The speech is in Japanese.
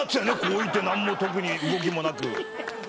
置いて何も特に動きもなく。